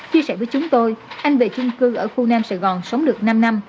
chia sẻ với chúng tôi anh về chung cư ở khu nam sài gòn sống được năm năm